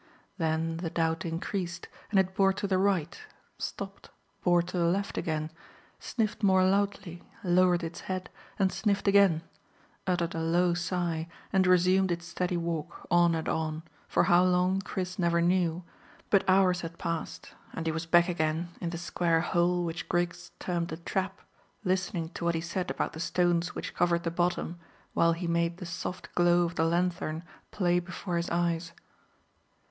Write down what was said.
Then the doubt increased, and it bore to the right, stopped, bore to the left again, sniffed more loudly, lowered its head and sniffed again, uttered a low sigh, and resumed its steady walk, on and on, for how long Chris never knew, but hours had passed and he was back again in the square hole which Griggs termed a trap, listening to what he said about the stones which covered the bottom while he made the soft glow of the lanthorn play before his eyes.